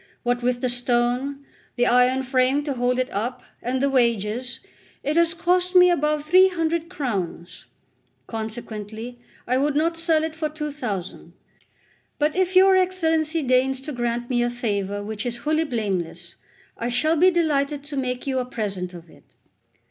What with the stone, the iron frame to hold it up, and the wages, it has cost me above three hundred crowns. Consequently, I would not sell it for two thousand. But if your Excellency deigns to grant me a favour which is wholly blameless, I shall be delighted to make you a present of it.